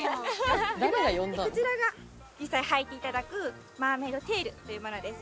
こちらが実際はいていただくマーメイドテールというものです。